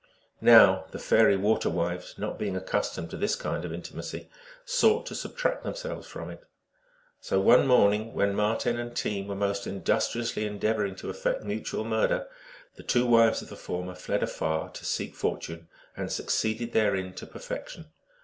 Now the fairy water wives, not being accustomed to this kind of intimacy, sought to subtract themselves from it. So one morning, when Marten and Team were most industriously endeavoring to effect mutual murder, the two wives of the former fled afar to seek fortune, and succeeded therein to perfection.